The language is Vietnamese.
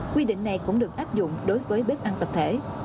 quy định này cũng được áp dụng đối với bếp ăn tập thể